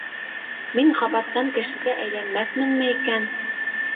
Мин ҡабаттан кешегә әйләнмәҫменме икән?